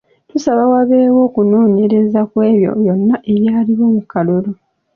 Tusaba wabeewo okunoonyereza ku ebyo byonna ebyaliwo mu kalulu.